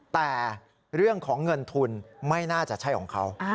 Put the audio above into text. แต่เรื่องของเงินทุนไม่น่าจะใช่ของเขา